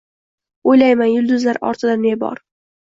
O‘ylayman: “Yulduzlar ortida ne bor?